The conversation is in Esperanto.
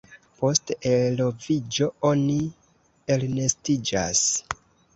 Post eloviĝo oni elnestiĝas.